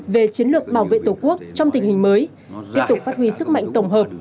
về chiến lược bảo vệ tổ quốc trong tình hình mới tiếp tục phát huy sức mạnh tổng hợp